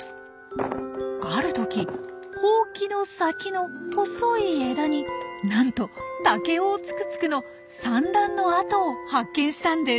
ある時ほうきの先の細い枝になんとタケオオツクツクの産卵の跡を発見したんです。